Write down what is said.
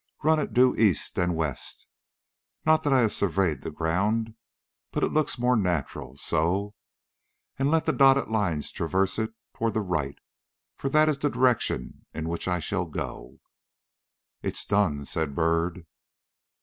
Run it due east and west not that I have surveyed the ground, but it looks more natural so and let the dotted line traverse it toward the right, for that is the direction in which I shall go." "It's done," said Byrd.